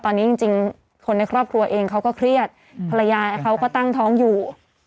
ตอนนี้จริงคนในครอบครัวเองเขาก็เครียดภรรยาเขาก็ตั้งท้องอยู่